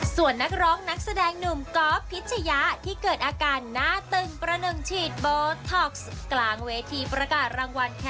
ส่วนหนึ่งเจ้าตัวมั่นใจเป็น